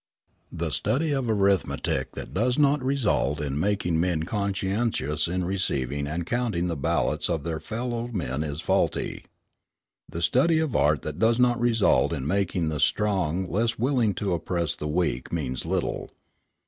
The study of arithmetic that does not result in making men conscientious in receiving and counting the ballots of their fellow men is faulty. The study of art that does not result in making the strong less willing to oppress the weak means little.